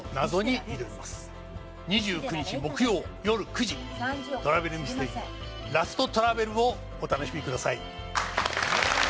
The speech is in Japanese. ２９日木曜よる９時『トラベルミステリー』ラストトラベルをお楽しみください。